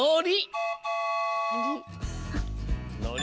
「のり」？